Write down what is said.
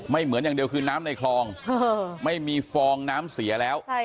เหมือนอย่างเดียวคือน้ำในคลองไม่มีฟองน้ำเสียแล้ว